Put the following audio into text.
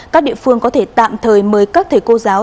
các địa phương có thể tạm thời mời các thầy cô giáo